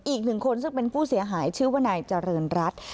อีกหนึ่งคนซึ่งเป็นผู้เสียหายชื่อว่านายเจริญรัฐ